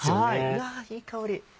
うわいい香り！